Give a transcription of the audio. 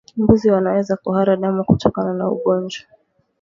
Mbuzi wanaweza kuhara damu kutokana na ugonjwa